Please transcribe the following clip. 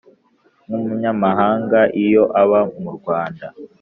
nk’umunyamahanga iyo aba mu rwanda